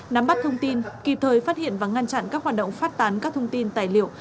nắm bắt thông tin kịp thời phát hiện và ngăn chặn các hoạt động phát tán các thông tin tài liệu